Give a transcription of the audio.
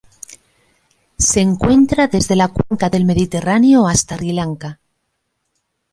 Se encuentra desde la Cuenca del Mediterráneo hasta Sri Lanka.